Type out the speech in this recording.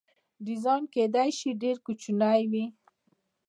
ډیزاین کیدای شي ډیر کوچنی وي.